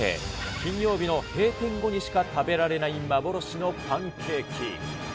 金曜日の閉店後にしか食べられない幻のパンケーキ。